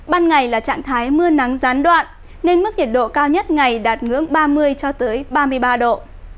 ban ngày là trạng thái mưa nắng gián đoạn nên mức nhiệt độ cao nhất ngày đạt ngưỡng ba mươi cho tới ba mươi ba độ